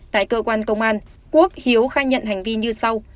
tại cơ quan công an quốc hiếu khai nhận hành vi như sau